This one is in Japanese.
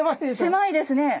狭いですねえ